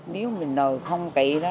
nếu mình nhồi không kỹ đó